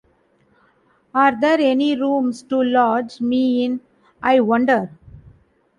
Are there any rooms to lodge me in, I wonder?